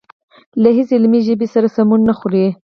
له هېڅ علمي ژبې سره سمون نه خوري.